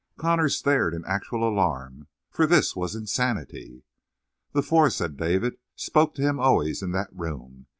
Connor stared in actual alarm, for this was insanity. "The four," said David, "spoke to Him always in that room.